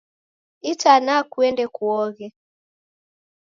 Itanaa kuende kuoghe